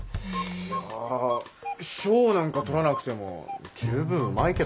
いや賞なんか取らなくてもじゅうぶんうまいけどな。